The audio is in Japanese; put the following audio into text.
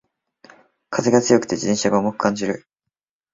風が強くて自転車が重く感じる